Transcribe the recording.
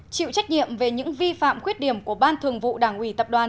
chịu trách nhiệm về những vi phạm khuyết điểm của ban thường vụ đảng ủy tập đoàn